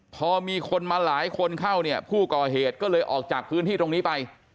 พอมีคนมาหลายคนเข้าเนี่ยผู้ก่อเหตุก็เลยออกจากพื้นที่ตรงนี้ไป